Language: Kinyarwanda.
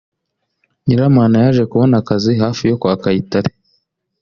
Nyiramana yaje kubona akazi hafi yo kwa Kayitare